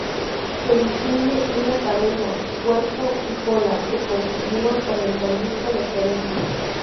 Se distingue una "cabeza", "cuerpo" y "cola" que continúa con el conducto deferente.